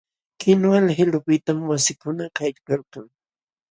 Kinwal qilupiqtam wasikuna kaykalkan.